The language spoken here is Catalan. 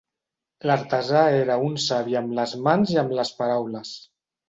L'artesà era un savi amb les mans i amb les paraules.